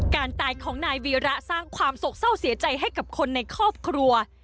การตายของนายวีระสร้างความโศกเศร้าเสียใจให้กับคนในครอบครัว